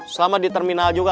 selama di terminal juga